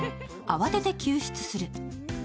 慌てて救出する。